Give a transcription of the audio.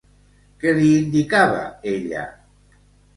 Què li indicava ella?